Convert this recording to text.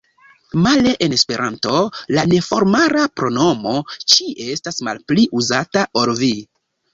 Male en Esperanto, la neformala pronomo „ci“ estas malpli uzata ol „vi“.